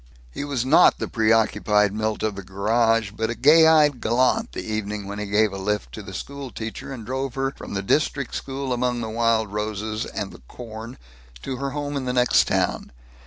He was not the preoccupied Milt of the garage but a gay eyed gallant, the evening when he gave a lift to the school teacher and drove her from the district school among the wild roses and the corn to her home in the next town.